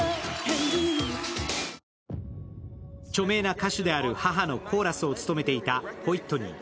著名な歌手である母のコーラスを務めていたホイットニー。